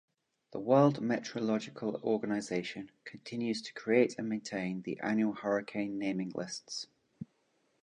The World Meteorological Organization continues to create and maintain the annual hurricane naming lists.